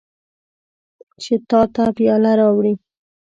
چې تا ته پیاله راوړي.